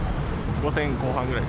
５０００後半ぐらい。